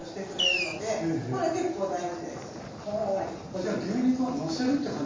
じゃあ牛肉はのせるって感じ？